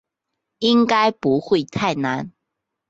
应该不会太难